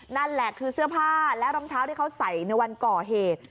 นั่นแหละคือเสื้อผ้าและรองเท้าที่เขาใส่ในวันก่อเหตุ